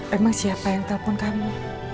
emang siapa yang telpon kamu